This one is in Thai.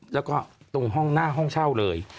แล้วก็ตรงห้องหน้าห้องเช่าเลย